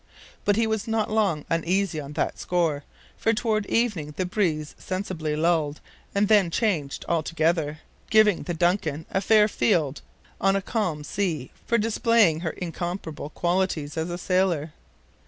But he was not long uneasy on that score, for toward evening the breeze sensibly lulled and then changed altogether, giving the DUNCAN a fair field on a calm sea for displaying her incomparable qualities as a sailor.